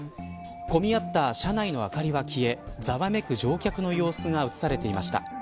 混みあった車内の灯は消えざわめく乗客の様子が映されていました。